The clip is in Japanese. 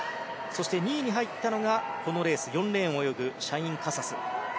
そして２位に入ったのがこのレース、４レーンを泳ぐシャイン・カサス。